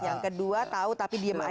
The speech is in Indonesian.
yang kedua tahu tapi diam saja